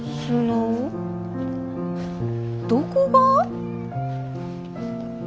どこが！？